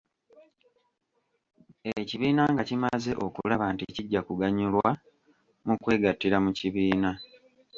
Ekibiina nga kimaze okulaba nti kijja kuganyulwa mu kwegattira mu kibiina.